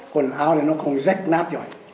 quần áo thì nó không rách nát rồi